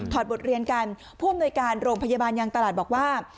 บทเรียนกันผู้อำนวยการโรงพยาบาลยางตลาดบอกว่า